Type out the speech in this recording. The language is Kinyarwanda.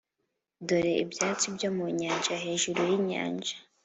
dore, ibyatsi byo mu nyanja hejuru yinyanja,